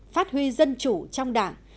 phát huy dân chủ trong đảng